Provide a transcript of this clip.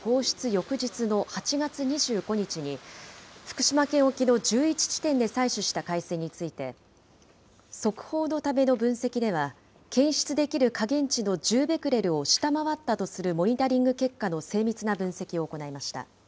翌日の８月２５日に、福島県沖の１１地点で採取した海水について、速報のための分析では、検出できる下限値の１０ベクレルを下回ったとするモニタリング結果の精密な分析を行いました。